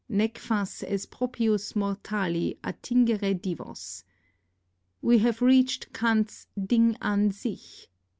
Nee fas est propius mortali attingere divos. We have reached Kant's Ding an sich.